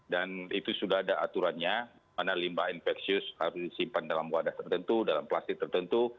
dan itu sudah ada aturannya mana limbah infeksius harus disimpan dalam wadah tertentu dalam plastik tertentu